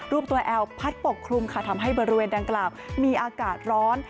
รูปตัวแอลพัดปกคลุมค่ะทำให้บริเวณดังกล่าวมีอากาศร้อน